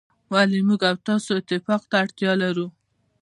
ولي موږ او تاسو اتفاق ته اړتیا لرو.